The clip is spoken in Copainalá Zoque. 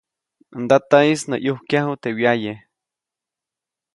Ndataʼis nä ʼyukyaju teʼ wyaye.